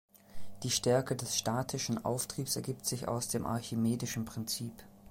Die Stärke des statischen Auftriebs ergibt sich aus dem archimedischen Prinzip.